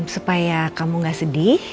supaya kamu gak sedih